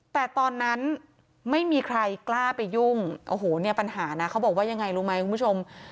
แต่ตอนนั้นไม่มีใครกล้าไปยุ่งโอ้โหเนี่ยปัญหานะเขาบอกว่ายังไงรู้ไหมคุณผู้ชม